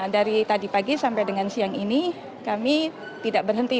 dari tadi pagi sampai dengan siang ini kami tidak berhenti